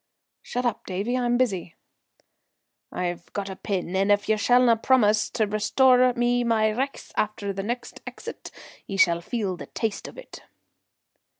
"Shut up, Davie; I'm busy." "I've got a pin, and if ye shallna promise to restore me my richts after the next exit, ye shall feel the taste of it."